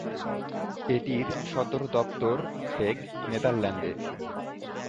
এটির সদর দপ্তর হেগ, নেদারল্যান্ডে।